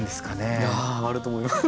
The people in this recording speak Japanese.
いやあると思いますよ。